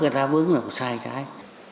người ta bướng là sai trái